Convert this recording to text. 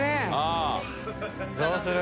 どうする？